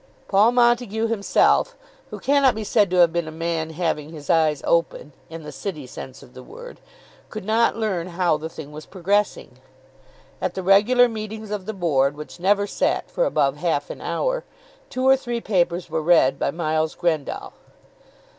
Paul Montague himself, who cannot be said to have been a man having his eyes open, in the city sense of the word, could not learn how the thing was progressing. At the regular meetings of the Board, which never sat for above half an hour, two or three papers were read by Miles Grendall.